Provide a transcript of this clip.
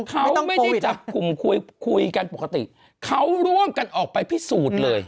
เขาไม่ได้จับกลุ่มคุยคุยกันปกติเขาร่วมกันออกไปพิสูจน์เลย